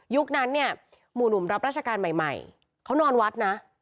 นั้นเนี่ยหมู่หนุ่มรับราชการใหม่เขานอนวัดนะ